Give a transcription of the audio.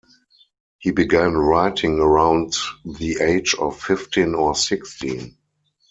He began writing around the age of fifteen or sixteen.